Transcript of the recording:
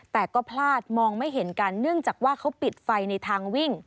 แต่ก็พลาดมองไม่เห็นกันเนื่องจากว่าเขาปิดไฟในทางวิ่ง